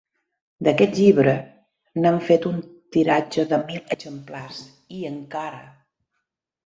D'aquest llibre, n'han fet un tiratge de mil exemplars, i encara!